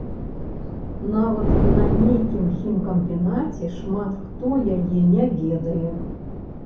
Нават і на нейкім хімкамбінаце шмат хто яе не ведае.